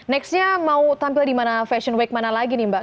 nextnya mau tampil di mana fashion week mana lagi nih mbak